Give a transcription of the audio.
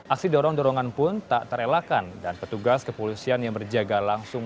aksi dorong dorongan pun tak terelakkan dan petugas kepolisian yang berjaga langsung